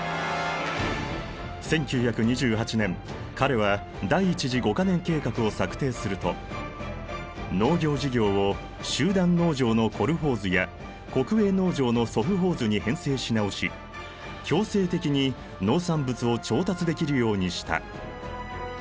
１９２８年彼は第一次五か年計画を策定すると農業事業を集団農場のコルホーズや国営農場のソフホーズに編成し直し強制的に農産物を調達できるようにした。